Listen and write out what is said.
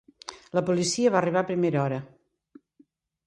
La policia va arribar a primera hora.